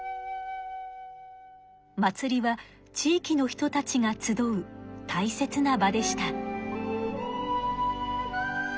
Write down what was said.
祭りは地域の人たちが集う大切な場でした。